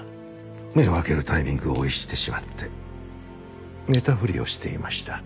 目を開けるタイミングを逸してしまって寝たふりをしていました。